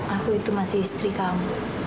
aku itu masih istri kamu